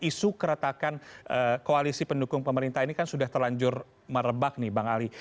isu keretakan koalisi pendukung pemerintah ini kan sudah terlanjur merebak nih bang ali